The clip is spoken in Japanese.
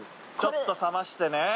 ちょっと冷ましてね。